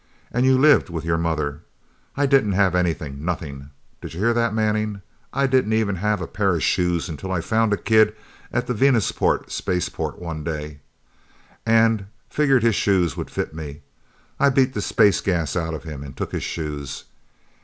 And you lived with your mother. I didn't have anything nothing! Did you hear that, Manning? I didn't even have a pair of shoes, until I found a kid at the Venusport spaceport one day and figured his shoes would fit me. I beat the space gas out of him and took his shoes.